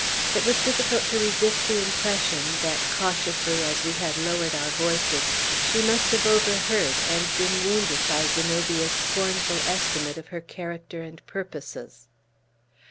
It was difficult to resist the impression that, cautiously as we had lowered our voices, she must have overheard and been wounded by Zenobia's scornful estimate of her character and purposes.